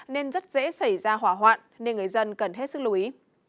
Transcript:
nên rất dễ xảy ra hỏa hoạn nên người dân cần hết sức lưu ý